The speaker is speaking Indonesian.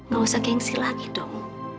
gak usah gengsi lagi dong